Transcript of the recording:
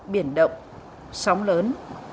biển động sóng lớn